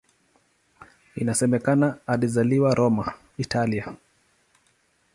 Inasemekana alizaliwa Roma, Italia.